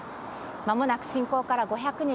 まもなく侵攻から５００日。